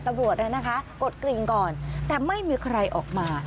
ตำรวจกดกริ่งก่อนแต่ไม่มีใครออกมา